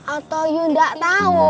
atau you gak tau